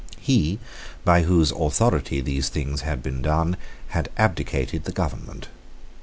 He, by whose authority these things had been done, had abdicated the government.